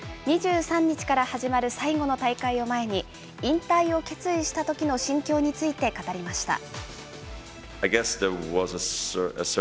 ２３日から始まる最後の大会を前に、引退を決意したときの心境について語りました。